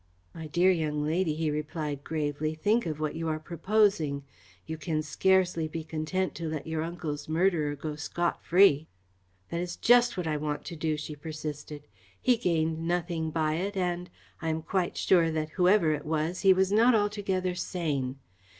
"My dear young lady," he replied gravely, "think of what you are proposing. You can scarcely be content to let your uncle's murderer go scot free." "That is just what I do want," she persisted. "He gained nothing by it, and I am quite sure that, whoever it was, he was not altogether sane.